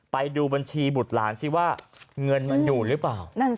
ไปดูบัญชีบุตรหลานซิว่าเงินมันอยู่หรือเปล่า